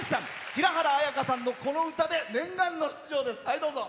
平原綾香さんのこの歌で念願の出場です。